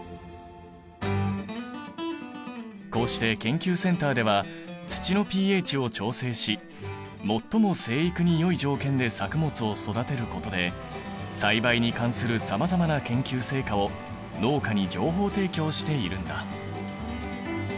こうして研究センターでは土のｐＨを調整し最も生育によい条件で作物を育てることで栽培に関するさまざまな研究成果を農家に情報提供しているんだ。